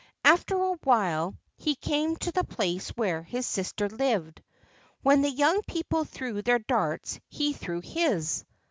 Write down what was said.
After a while he came to the place where his sister lived. When the young people threw their darts he threw his.